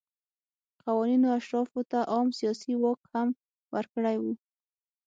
قوانینو اشرافو ته عام سیاسي واک هم ورکړی و.